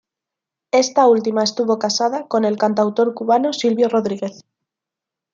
Esta última estuvo casada con el cantautor cubano Silvio Rodríguez.